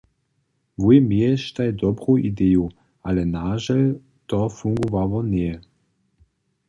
Wój měještaj dobru ideju, ale nažel to fungowało njeje.